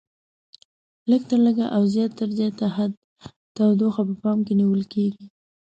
لږ تر لږه او زیات تر زیات حد تودوخه په پام کې نیول کېږي.